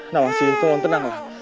nah maksudku tenanglah